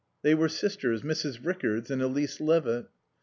They were sisters, Mrs. Rickards and Elise Levitt.